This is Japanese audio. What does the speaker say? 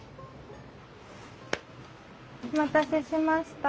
お待たせしました。